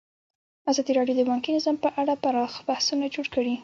ازادي راډیو د بانکي نظام په اړه پراخ بحثونه جوړ کړي.